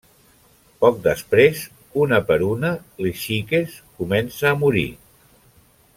Poc després, una per una, les xiques comença a morir.